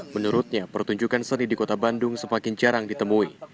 menurutnya pertunjukan seni di kota bandung semakin jarang ditemui